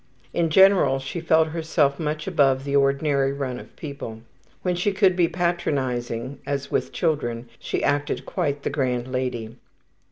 In general she felt herself much above the ordinary run of people. When she could be patronizing, as with children, she acted quite the grand lady.